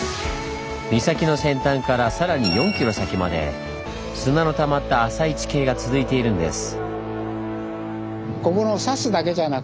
岬の先端からさらに４ｋｍ先まで砂のたまった浅い地形が続いているんです！